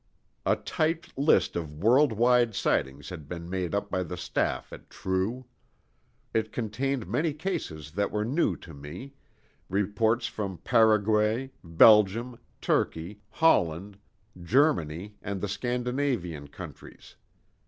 A typed list of world wide sightings had been made up by the staff at True. It contained many cases that were new to me, reports from Paraguay, Belgium, Turkey, Holland, Germany, and the Scandinavian countries.